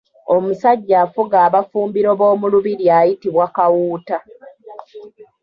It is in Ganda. Omusajja afuga abafumbiro b’omu lubiri ayitibwa Kawuuta.